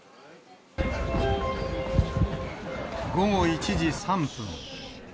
午後１時３分。